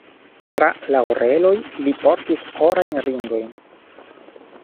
Tra la oreloj li portis orajn ringojn.